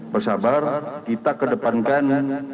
bersabar kita kedepankan